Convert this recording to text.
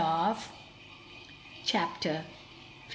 CHAPTER XVI.